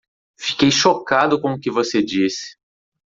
Fiquei chocado com o que você disse